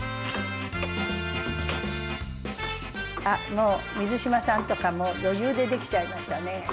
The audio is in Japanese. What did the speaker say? あっもう水嶋さんとかもう余裕でできちゃいましたね。